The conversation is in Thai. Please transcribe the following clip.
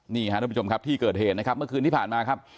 นี่ครับทุกผู้ชมครับที่เกิดเหตุนะครับเมื่อคืนที่ผ่านมาครับ